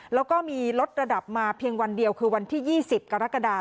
แล้วก็มีลดระดับมาเพียงวันเดียวคือวันที่๒๐กรกฎา